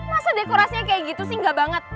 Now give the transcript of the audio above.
masa dekorasinya kayak gitu sih enggak banget